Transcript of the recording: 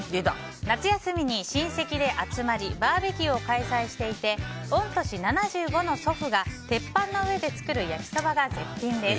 夏休みに親戚で集まりバーベキューを開催していて御年７５の祖父が鉄板の上で作る焼きそばが絶品です。